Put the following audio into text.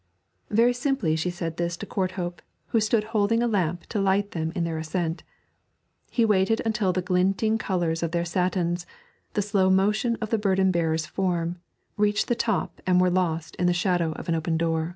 Very simply she said this to Courthope, who stood holding a lamp to light them in their ascent. He waited until the glinting colours of their satins, the slow motion of the burden bearer's form, reached the top and were lost in the shadows of an open door.